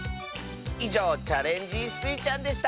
いじょう「チャレンジスイちゃん」でした！